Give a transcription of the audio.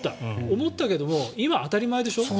思ったけど今、当たり前でしょ。